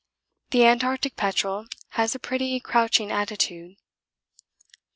The Antarctic petrel has a pretty crouching attitude.